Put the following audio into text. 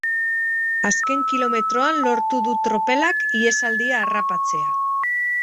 Azken kilometroan lortu du tropelak ihesaldia harrapatzea.